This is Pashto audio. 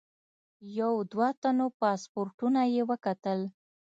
یو دوه تنو پاسپورټونه یې وکتل.